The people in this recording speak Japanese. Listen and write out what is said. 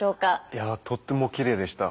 いやとってもきれいでした。